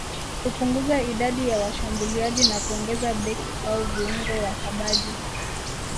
kupunguza idadi ya washambuliaji na kuongeza beki au viungo wakabaji